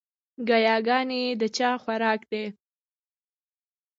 ګياګانې د چا خوراک دے؟